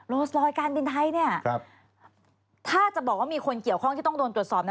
ซอยการบินไทยถ้าจะบอกว่ามีคนเกี่ยวข้องที่ต้องโดนตรวจสอบ